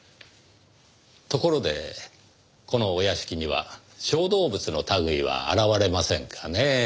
ところでこのお屋敷には小動物の類いは現れませんかねぇ？